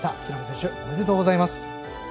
平野選手、おめでとうございます。